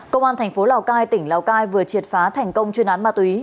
công an tp lào cai tỉnh lào cai vừa triệt phá thành công chuyên án ma túy